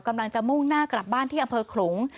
กำลังจะมุ่งหน้ากลับบ้านที่อำเภอขลุง